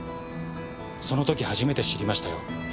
その時初めて知りましたよ。